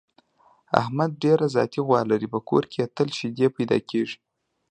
احمد ډېره ذاتي غوا لري، په کور کې یې تل شیدې پیدا کېږي.